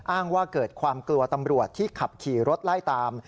อ้างว่าเกิดความกลัวตำรวจที่ขับขี่รถไล่ตาม